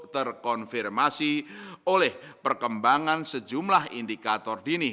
terkonfirmasi oleh perkembangan sejumlah indikator dini